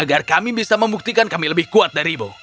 agar kami bisa membuktikan kami lebih kuat dari ibu